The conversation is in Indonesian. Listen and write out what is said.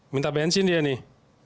minta bensin dia nih